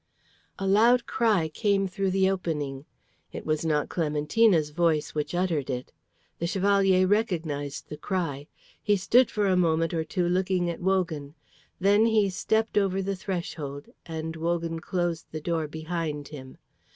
A loud cry came through the opening. It was not Clementina's voice which uttered it. The Chevalier recognised the cry. He stood for a moment or two looking at Wogan. Then he stepped over the threshold, and Wogan closed the door behind him.